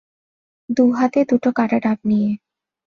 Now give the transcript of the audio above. দু হাতে দুটো কাটা ডাব নিয়ে।